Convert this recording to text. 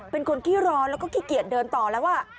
เป็นคนขี้ร้อนแล้วก็ขี้เกียจเดินต่อแล้ว